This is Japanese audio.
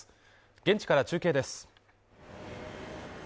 現地から中継です。